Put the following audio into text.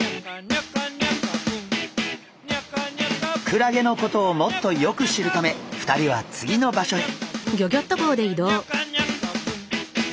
クラゲのことをもっとよく知るため２人は次の場所へ。